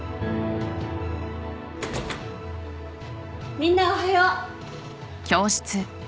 みんなおはよう。